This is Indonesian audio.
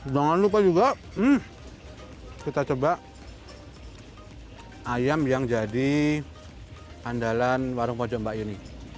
jangan lupa juga kita coba ayam yang jadi andalan warung kocomba ini